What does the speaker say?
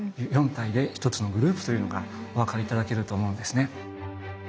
４体で１つのグループというのがお分かり頂けると思うんですね。